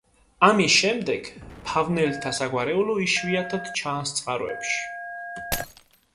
ამის შემდეგ ფავნელთა საგვარეულო იშვიათად ჩანს წყაროებში.